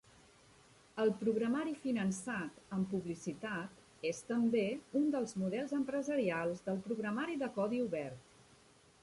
El programari finançat amb publicitat és també un dels models empresarials del programari de codi obert.